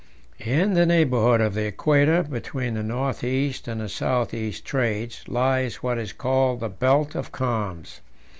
In the neighbourhood of the Equator, between the north east and the south east trades, lies what is called the "belt of calms."